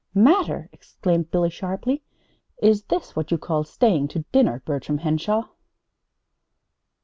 Matter!" exclaimed Billy sharply, then. "Is this what you call staying to dinner, Bertram Henshaw?"